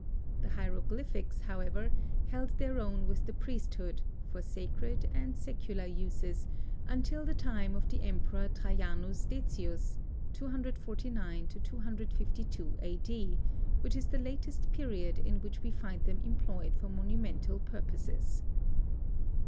The hieroglyphics, however, held their own with the priesthood, for sacred and secular uses, until the time of the Emperor Trajanus Decius, 249 252, A. D., which is the latest period in which we find them employed for monumental purposes.